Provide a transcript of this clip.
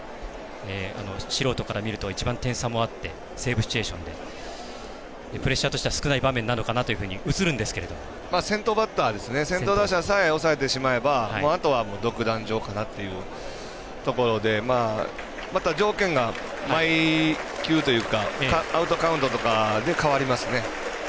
素人から見ると一番点差もあってセーブシチュエーションでプレッシャーとしては少ない場面なのかなと先頭打者さえ抑えてしまえばあとは独壇場かなというところで条件が毎球というかアウトカウントとかで変わりますね。